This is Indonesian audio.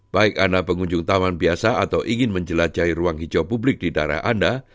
baik anda pengunjung taman biasa atau ingin menjelajahi ruang hijau publik di daerah anda